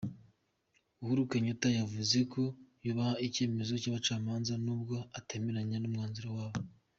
Uhuru Kenyatta yavuze ko yubaha icyemezo cy’abacamanza nubwo atemeranya n’umwanzuro wabo.